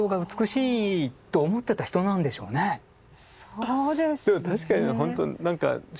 そうですね。